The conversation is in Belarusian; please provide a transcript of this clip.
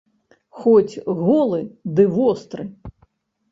Хоць голы, ды востры.